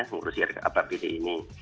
mengurusi rapbd ini